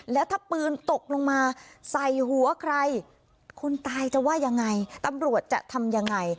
แล้วถ้าปืนตกลงมาใส่หัวใครคนตายจะว่ายังไงตำรวจจะทำยังไง